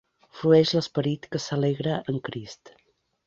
Frueix l'esperit que s'alegra en Crist.